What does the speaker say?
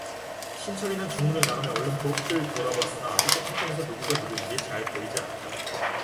신철이는 중문을 나가며 얼른 부엌을 돌아보았으나 아직도 컴컴해서 누구가 누구인지 잘 보이지 않았다.